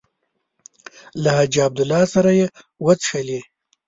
له حاجي عبدالله سره یې وڅښلې.